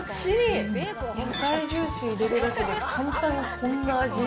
野菜ジュース入れるだけで、簡単にこんな味。